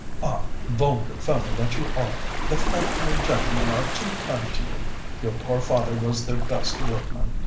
Ah, vulgar fellow that you are! The factory gentlemen are too kind to you. Your poor father was their best workman.